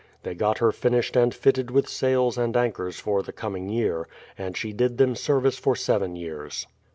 They got her finished and fitted with sails and anchors for the coming year; and she did them service for seven years.